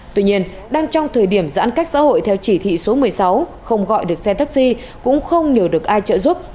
tuy nhiên đang trong thời điểm giãn cách xã hội theo chỉ thị số một mươi sáu không gọi được xe taxi cũng không nhờ được ai trợ giúp